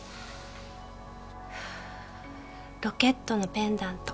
ロケットのペンダント。